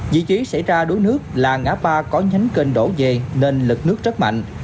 dị trí xảy ra đối nước là ngã ba có nhánh kênh đổ về nên lực nước rất mạnh